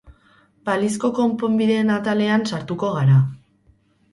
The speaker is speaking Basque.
Balizko konponbideen atalean sartuko gara.